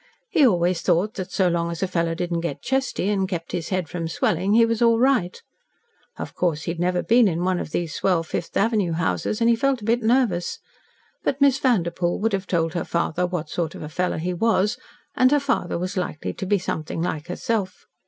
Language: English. He always thought that, so long as a fellow didn't get "chesty" and kept his head from swelling, he was all right. Of course he had never been in one of these swell Fifth Avenue houses, and he felt a bit nervous but Miss Vanderpoel would have told her father what sort of fellow he was, and her father was likely to be something like herself.